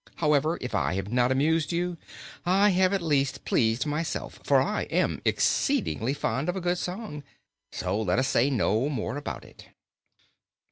However, if I have not amused you, I have at least pleased myself, for I am exceedingly fond of a good song. So let us say no more about it."